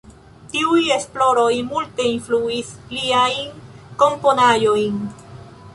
Tiuj esploroj multe influis liajn komponaĵojn.